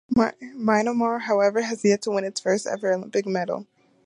Myanmar, however, has yet to win its first ever Olympic medal.